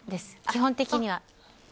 基本的には。